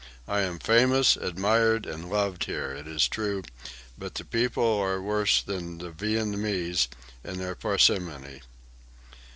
I am famous, admired and loved here, it is true, but the people are worse than the Viennese in their parsimony."